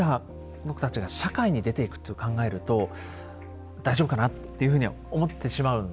この子たちが社会に出て行くと考えると大丈夫かなっていうふうには思ってしまうんですよね。